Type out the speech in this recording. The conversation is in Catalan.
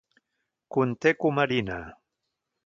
Conté cumarina.